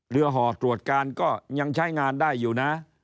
ห่อตรวจการก็ยังใช้งานได้อยู่นะ